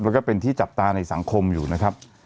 แล้วก็เป็นที่จับตาในสังคมอยู่นะครับ